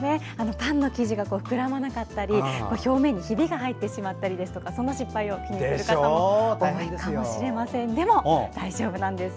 パンの生地が膨らまなかったり表面にヒビが入ってしまったりそんな失敗を気にする人も多いかもしれませんがでも大丈夫なんです。